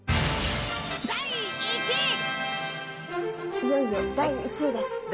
いよいよ第１位です。